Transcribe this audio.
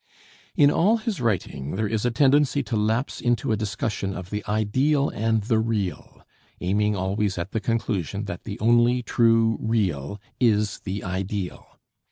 In all his writing there is a tendency to lapse into a discussion of the "Ideal and the Real," aiming always at the conclusion that the only true Real is the Ideal.